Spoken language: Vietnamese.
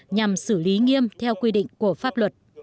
nhằm xử lý nghiêm theo quy định của pháp luật